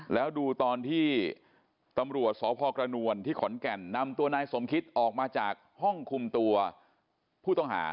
แล้วดูตอนที่ตำรวจสพกระนวลที่ขอนแก่นนำตัวนายสมคิตออกมาจากห้องคุมตัวผู้ต้องหา